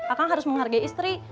akang harus menghargai istri